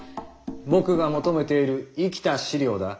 僕が求めている生きた資料だ。